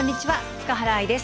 塚原愛です。